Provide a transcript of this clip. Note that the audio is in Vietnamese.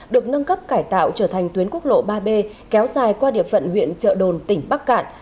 được nâng cấp cải tạo trở thành tuyến quốc lộ ba b kéo dài qua địa phận huyện trợ đồn tỉnh bắc cạn